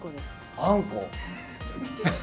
あんこ？